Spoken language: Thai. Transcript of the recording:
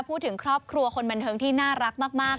พูดถึงครอบครัวคนบันเทิงที่น่ารักมาก